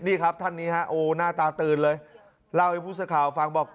นี่ครับท่านนี้ฮะโอ้หน้าตาตื่นเลยเล่าให้ผู้สื่อข่าวฟังบอก